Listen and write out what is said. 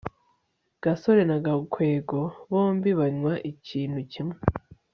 gasore na gakwego bombi banywa ikintu kimwe